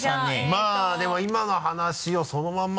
まぁでも今の話をそのまま。